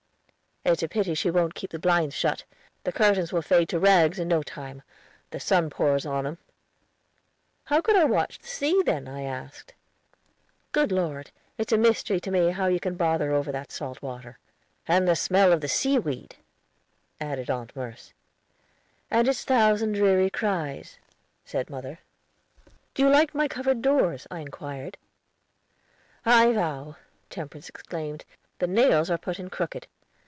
"It's a pity she wont keep the blinds shut. The curtains will fade to rags in no time; the sun pours on 'em." "How could I watch the sea then?" I asked. "Good Lord! it's a mystery to me how you can bother over that salt water." "And the smell of the sea weed," added Aunt Merce. "And its thousand dreary cries," said mother. "Do you like my covered doors?" I inquired. "I vow," Temperance exclaimed, "the nails are put in crooked!